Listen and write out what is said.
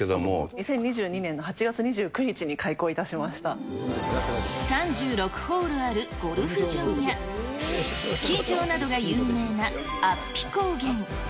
２０２２年の８月２９日に開３６ホールあるゴルフ場や、スキー場などが有名な安比高原。